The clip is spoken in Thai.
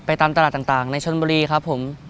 ตามตลาดต่างในชนบุรีครับผม